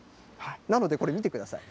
なのでこれ、見てください。